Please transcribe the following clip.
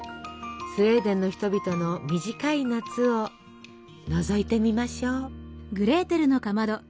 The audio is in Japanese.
スウェーデンの人々の短い夏をのぞいてみましょう。